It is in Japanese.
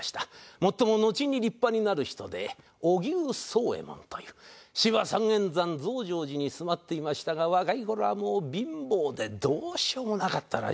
もっとものちに立派になる人で荻生惣右衛門という芝三縁山増上寺に住まっていましたが若い頃はもう貧乏でどうしようもなかったらしいですね。